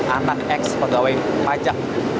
anak ex pegawai pajak